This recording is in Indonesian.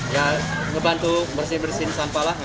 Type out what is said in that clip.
ya ngebantu bersih bersihin sampah lah